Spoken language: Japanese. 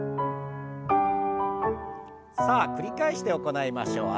さあ繰り返して行いましょう。